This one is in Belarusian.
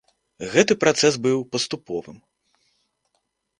Гэты працэс быў паступовым.